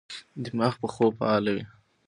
دماغ په خوب فعال وي.